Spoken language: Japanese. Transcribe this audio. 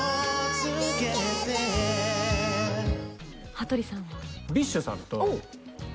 羽鳥さんは？